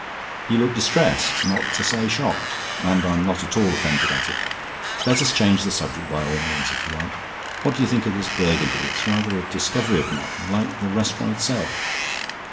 You look distressed, not to say shocked, and I'm not at all offended at it. Let us change the subject by all means, if you like. What do you think of this Burgundy? It's rather a discovery of mine, like the restaurant itself."